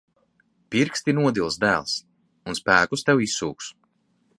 Pirksti nodils, dēls. Un spēkus tev izsūks.